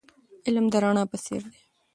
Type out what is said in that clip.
علم د رڼا په څېر دی.